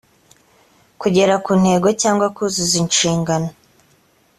kugera ku ntego cyangwa kuzuza inshingano